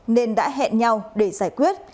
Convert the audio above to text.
nên đã hẹn nhau để giải quyết